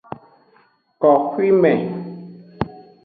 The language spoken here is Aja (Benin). Koxwime.